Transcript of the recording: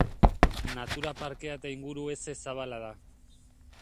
Natura parkea eta inguru heze zabala da.